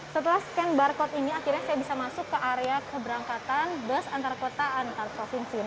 setelah scan barcode ini akhirnya saya bisa masuk ke area keberangkatan bus antarpotensi